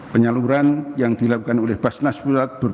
penyaluran yang dilakukan oleh basnas pusat